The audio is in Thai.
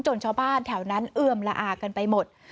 ชาวบ้านแถวนั้นเอือมละอากันไปหมด